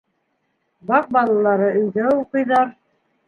Ваҡ балалары өйҙә уҡыйҙар.